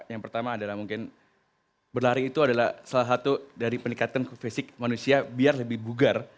yang pertama adalah mungkin berlari itu adalah salah satu dari peningkatan ke fisik manusia biar lebih bugar